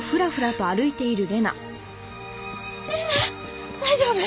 玲奈大丈夫？